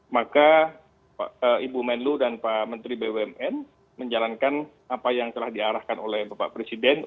maka ibu menlu dan pak menteri bumn menjalankan apa yang telah diarahkan oleh bapak presiden